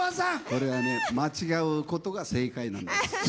これはね間違うことが正解なんです。